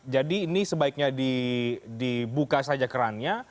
jadi ini sebaiknya dibuka saja kerannya